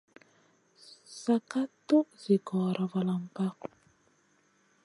San ka tuʼ zi gora valam pa.